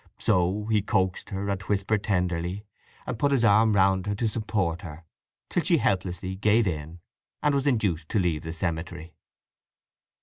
So he coaxed her, and whispered tenderly, and put his arm round her to support her; till she helplessly gave in, and was induced to leave the cemetery.